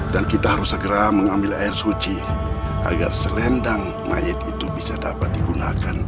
dan kita harus segera mengambil air suci agar selendang mayat itu bisa dapat digunakan